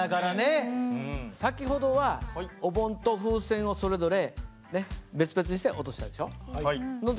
先ほどはお盆と風船をそれぞれ別々にして落としたでしょ？